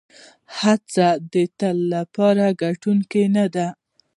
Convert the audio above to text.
هېڅوک د تل لپاره ګټونکی نه دی.